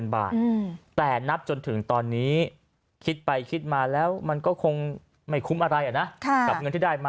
แต่นับจนถึงตอนนี้คิดไปคิดมาแล้วมันก็คงไม่คุ้มอะไรนะกับเงินที่ได้มา